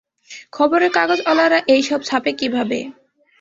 খবরের কাগজঅলারা এইসব ছাপে কীভাবে?